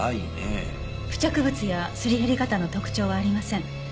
付着物やすり減り方の特徴はありません。